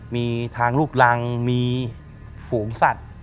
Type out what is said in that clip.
มีทางลูกรังมีฝูงสัตว์